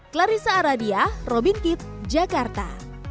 clarissa aradia robin kitt jakarta